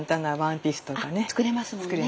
作れますもんね。